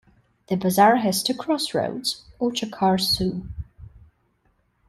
The bazaar has two crossroads or chahar su.